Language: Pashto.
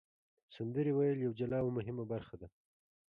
سندرې ویل یوه جلا او مهمه برخه ده.